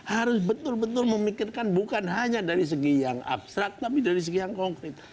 harus betul betul memikirkan bukan hanya dari segi yang abstrak tapi dari segi yang konkret